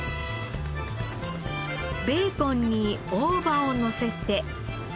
ベーコンに大葉をのせて。